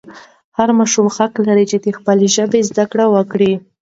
هر ماشوم حق لري چې د خپلې ژبې زده کړه وکړي.